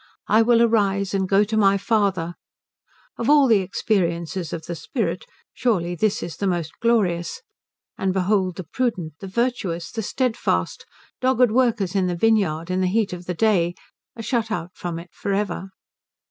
"I will arise and go to my Father" of all the experiences of the spirit surely this is the most glorious; and behold the prudent, the virtuous, the steadfast dogged workers in the vineyard in the heat of the day are shut out from it for ever.